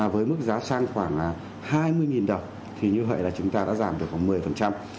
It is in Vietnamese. với mức giá sang khoảng hai mươi đồng thì như vậy là chúng ta đã giảm được khoảng một mươi